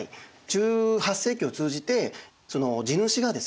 １８世紀を通じて地主がですね